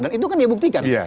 dan itu kan dia buktikan